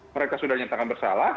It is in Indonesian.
mereka sudah nyatakan bersalah